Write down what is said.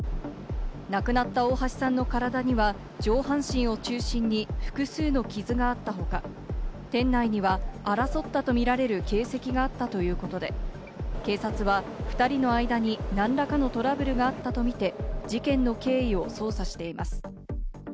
亡くなった大橋さんの体には上半身を中心に複数の傷があった他、店内には争ったとみられる形跡があったということで、警察は２人の間に何らかのトラブルがあったとみて事件の経緯を捜査しています。